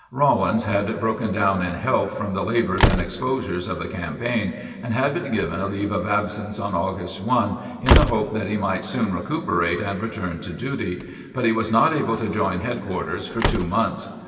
Rawlins had broken down in health from the labors and exposures of the campaign, and had been given a leave of absence on August 1, in the hope that he might soon recuperate and return to duty ; but he was not able to join, headquarters for two months.